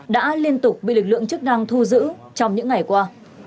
đã liên tục bị lực lượng chức năng thu giữ trong những ngày qua